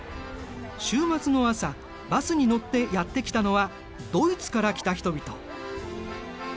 週末の朝バスに乗ってやって来たのはドイツから来た人々。